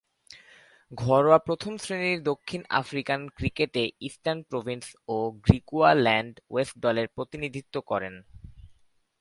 ঘরোয়া প্রথম-শ্রেণীর দক্ষিণ আফ্রিকান ক্রিকেটে ইস্টার্ন প্রভিন্স ও গ্রিকুয়াল্যান্ড ওয়েস্ট দলের প্রতিনিধিত্ব করেন।